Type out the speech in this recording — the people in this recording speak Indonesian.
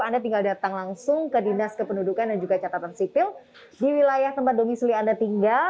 anda tinggal datang langsung ke dinas kependudukan dan juga catatan sipil di wilayah tempat domisili anda tinggal